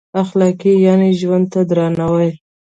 اخلاق یعنې ژوند ته درناوی.